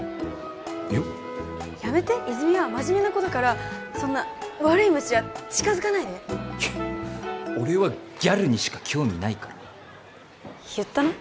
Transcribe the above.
いややめて泉は真面目な子だからそんな悪い虫は近づかないでいや俺はギャルにしか興味ないから言ったな？